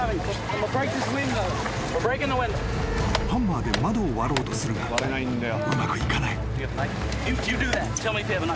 ［ハンマーで窓を割ろうとするがうまくいかない］